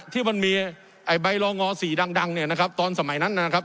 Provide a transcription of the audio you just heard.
ที่มันมีใบลองงอสีดังตอนสมัยนั้นนะครับ